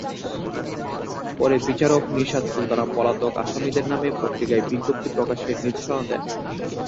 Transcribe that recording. পরে বিচারক নিশাত সুলতানা পলাতক আসামিদের নামে পত্রিকায় বিজ্ঞপ্তি প্রকাশের নির্দেশ দেন।